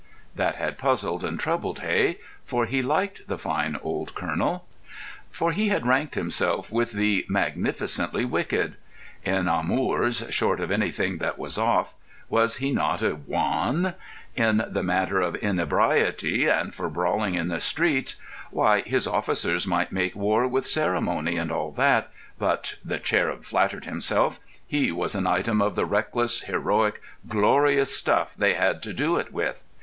That had puzzled and troubled Hey, for he liked the fine old colonel. [Illustration: "He forgot everything except little Mollie Westwood" (page 35).] For he had ranked himself with the magnificently wicked. In amours, short of anything that was "off," was he not a Juan? In the matter of inebriety, and for brawling in the streets, why, his officers might make war with ceremony and all that, but (the cherub flattered himself) he was an item of the reckless, heroic, glorious stuff they had to do it with.